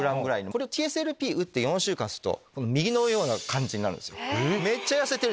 これＴＳＬＰ打って４週間すると右のような感じになるんです。